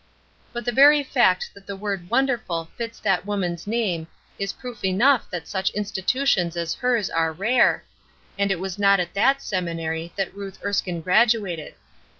But the very fact that the word "wonderful" fits that woman's name is proof enough that such institutions as hers are rare, and it was not at that seminary that Ruth Erskine graduated.